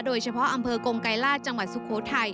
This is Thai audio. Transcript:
โดยเฉพาะอำเภอกงไกรราชจังหวัดสุโขทัย